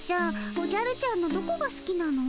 おじゃるちゃんのどこがすきなの？